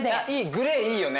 グレーいいよね。